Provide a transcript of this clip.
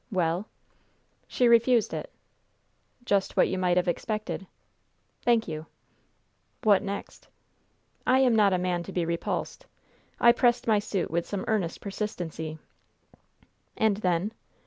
"Well?" "She refused it." "Just what you might have expected." "Thank you." "What next?" "I am not a man to be repulsed. I pressed my suit with some earnest persistency." "And then?"